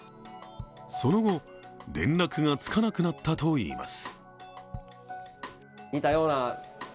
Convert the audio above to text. その後、連絡がつかなくなったといいます。